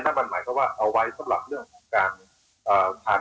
นั่นมันหมายความว่าเอาไว้สำหรับเรื่องของการผ่าน